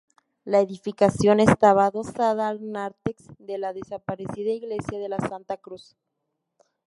La edificación estaba adosada al nártex de la desaparecida iglesia de la Santa Cruz.